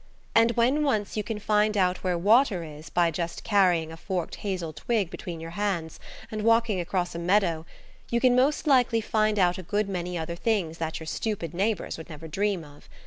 And when once you can find out where water is by just carrying a forked hazel twig between your hands and walking across a meadow, you can most likely find out a good many other things that your stupid neighbours would never dream of.